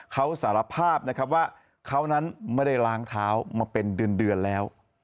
เขาสารภาพนะครับว่าเขานั้นไม่ได้ล้างเท้ามาเป็นเดือนแล้ว